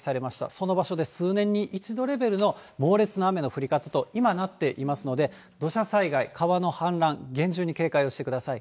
その場所で数年に一度レベルの猛烈な雨の降り方と今なっていますので、土砂災害、川の氾濫、厳重に警戒をしてください。